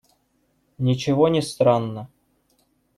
Ничего не странно.